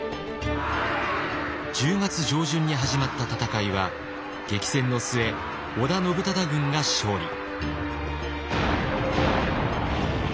１０月上旬に始まった戦いは激戦の末織田信忠軍が勝利。